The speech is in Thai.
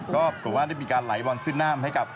ก็ถือว่าได้มีการไหลบอลขึ้นหน้ามให้กับ